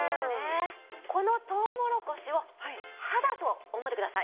このトウモロコシを歯だと思ってください。